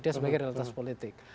dia sebagai realitas politik